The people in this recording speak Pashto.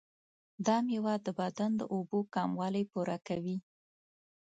دا میوه د بدن د اوبو کموالی پوره کوي.